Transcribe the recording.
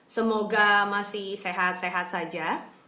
semoga masih sehat sehat saja